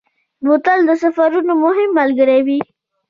بوتل د سفرونو مهم ملګری وي.